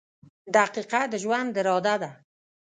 • دقیقه د ژوند اراده ده.